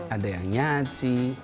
ada yang nyaci